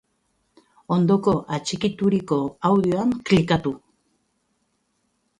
Ondoko atxikituriko audioan klikatu!